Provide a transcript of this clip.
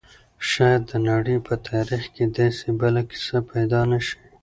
شاید د نړۍ په تاریخ کې داسې بله کیسه پیدا نه شي.